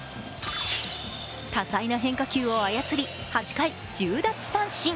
多彩な変化球を操り、８回、１０奪三振。